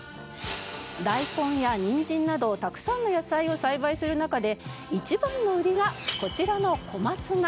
大根やにんじんなどたくさんの野菜を栽培する中で一番の売りがこちらの小松菜。